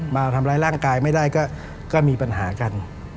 มาทำร้ายร่างกายไม่ได้ก็มีปัญหากัน